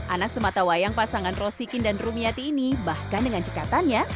anak sematawayang pasangan rosikin dan rumiati ini bahkan dengan cekatannya